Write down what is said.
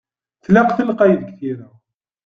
Tlaq telqey deg tira.